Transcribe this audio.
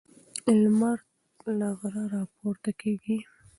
لمر له غره راپورته کیږي.